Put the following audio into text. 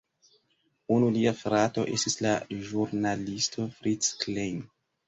Unu lia frato estis la ĵurnalisto Fritz Klein.